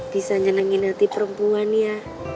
bisa nyenengin hati perempuan ya